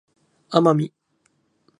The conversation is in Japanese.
奄美